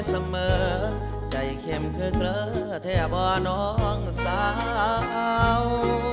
เสมอใจเข็มคือเกลอแทบว่าน้องสาว